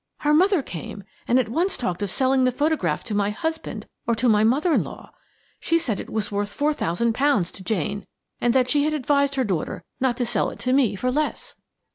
Her mother came and at once talked of selling the photograph to my husband or to my mother in law. She said it was worth four thousand pounds to Jane, and that she had advised her daughter not to sell it to me for less."